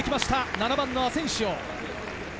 ７番・アセンシオ。